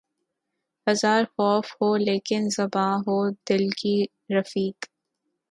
ہزار خوف ہو لیکن زباں ہو دل کی رفیق